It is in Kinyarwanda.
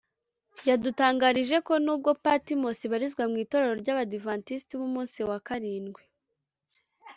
yadutangarije ko n’ubwo Patmos ibarizwa mu itorero ry’Abadiventisiti b’umunsi wa karindwi